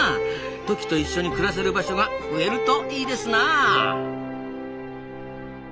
トキと一緒に暮らせる場所が増えるといいですなあ。